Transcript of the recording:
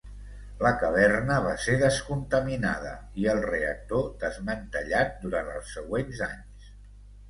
La caverna va ser descontaminada i el reactor desmantellat durant els següents anys.